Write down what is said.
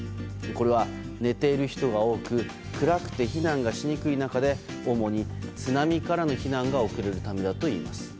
これは寝ている人が多く暗くて避難がしにくい中で主に、津波からの避難が遅れるためだといいます。